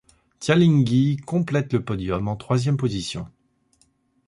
Tjallingii complète le podium en troisième position.